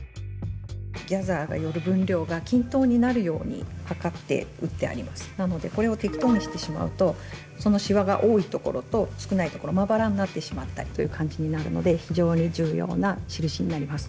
このひと手間が仕上がりを決めますなのでこれを適当にしてしまうとそのシワが多いところと少ないところまばらになってしまったりという感じになるので非常に重要な印になります。